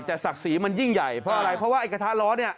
แต่ศักดิ์ศรีมันยิ่งใหญ่เพราะอะไรเพราะว่าไอ้กระทะล้อเนี่ย